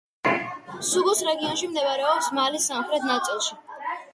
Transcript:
სეგუს რეგიონი მდებარეობს მალის სამხრეთ ნაწილში.